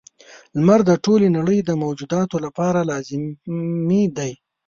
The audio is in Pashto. • لمر د ټولې نړۍ د موجوداتو لپاره لازمي دی.